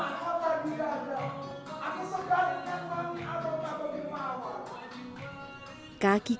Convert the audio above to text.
aku segar ingat lagi aku tak mau lagi mawar